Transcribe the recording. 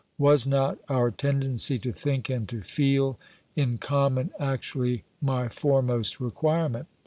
Was not our tendency to think and to feel in common actually my fore most requirement